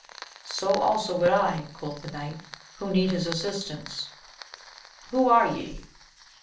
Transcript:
So also would I, quoth the knight, who need his assist ance. Who are ye